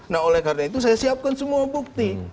nah oleh karena itu saya siapkan semua bukti